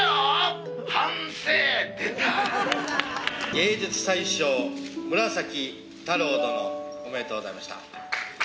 芸術祭賞村太郎殿。おめでとうございました。